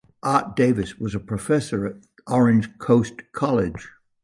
Art Davis was a professor at Orange Coast College.